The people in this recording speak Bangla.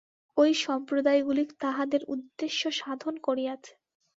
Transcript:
ঐ সম্প্রদায়গুলি তাহাদের উদ্দেশ্য সাধন করিয়াছে।